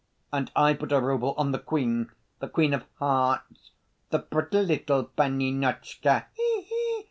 "And I put a rouble on the queen, the queen of hearts, the pretty little panienotchka, he he!"